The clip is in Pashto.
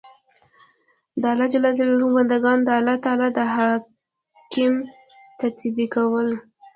د الله ج په بندګانو د الله تعالی د احکام تطبیقول.